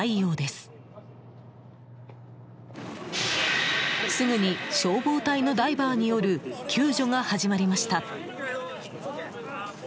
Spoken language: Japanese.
すぐに消防隊のダイバーによる救助が始まりました。